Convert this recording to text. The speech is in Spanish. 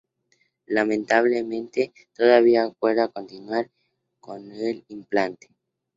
Lamentablemente todavía acuerda continuar con el implante.